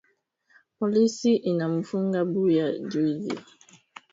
Polisi inamufunga juya bwizi